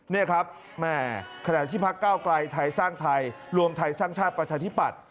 นี่ครับแม่ขณะที่พักเก้าไกลไทยสร้างไทยรวมไทยสร้างชาติประชาธิปัตย